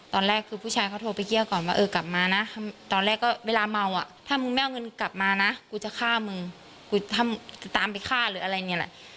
ตอนแรกคือผู้ชายเขาโทรไปเกี้ยก่อนว่าเออกลับมานะตอนแรกก็เวลาเมาอ่ะถ้ามึงไม่เอาเงินกลับมานะกูจะฆ่ามึงกูตามไปฆ่าหรืออะไรเนี่ยแหละ